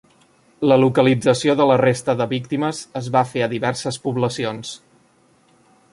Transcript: La localització de la resta de víctimes es va fer a diverses poblacions.